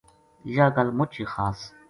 یاہ گل مُچ ہی خاص